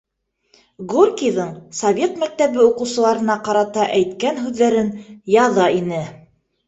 Горькийҙың совет мәктәбе уҡыусыларына ҡарата әйткән һүҙҙәрен яҙа ине.